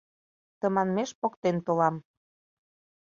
Тыманмеш поктен толам.